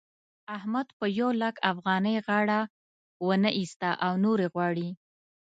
احمد په يو لک افغانۍ غاړه و نه اېسته او نورې غواړي.